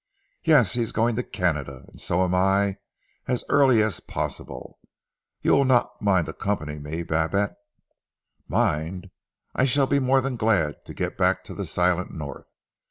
"Yes, he is going to Canada and so am I, as early as possible. You will not mind accompanying me, Babette." "Mind! I shall be more than glad to get back to the silent North.